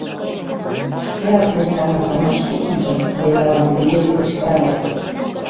— Шкеак вет таҥасымашке ӱжын, — Леналан Григорий кычкырале.